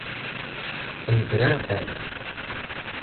Editorial Octaedro.